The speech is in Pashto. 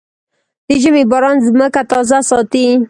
د ژمي باران ځمکه تازه ساتي.